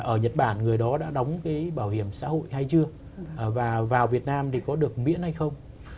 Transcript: ở nhật bản người đó đã đóng cái bảo hiểm xã hội hay chưa và vào việt nam thì có được miễn hay không